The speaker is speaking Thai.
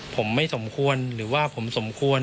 ผมไม่สมควรหรือว่าผมสมควร